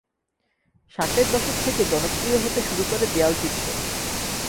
ষাটের দশক থেকে জনপ্রিয় হতে শুরু করে দেয়ালচিত্র।